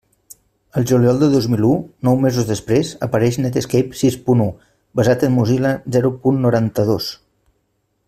El juliol de dos mil u, nou mesos després, apareix Netscape sis punt u, basat en Mozilla zero punt noranta-dos.